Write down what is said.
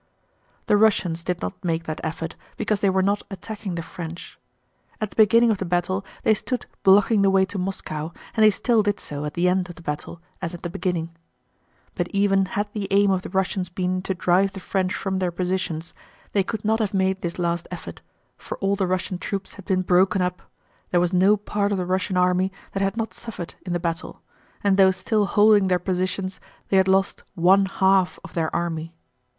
The Russians did not make that effort because they were not attacking the French. At the beginning of the battle they stood blocking the way to Moscow and they still did so at the end of the battle as at the beginning. But even had the aim of the Russians been to drive the French from their positions, they could not have made this last effort, for all the Russian troops had been broken up, there was no part of the Russian army that had not suffered in the battle, and though still holding their positions they had lost ONE HALF of their army.